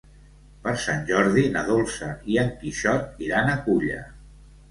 Per Sant Jordi na Dolça i en Quixot iran a Culla.